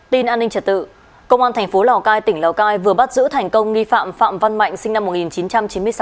tin an ninh trật tự công an thành phố lào cai tỉnh lào cai vừa bắt giữ thành công nghi phạm phạm văn mạnh sinh năm một nghìn chín trăm chín mươi sáu